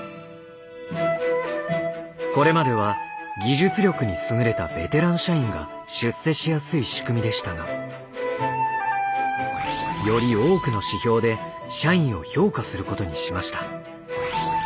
これまでは技術力に優れたベテラン社員が出世しやすい仕組みでしたがより多くの指標で社員を評価することにしました。